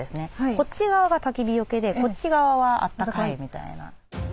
こっち側がたき火よけでこっち側はあったかいみたいな。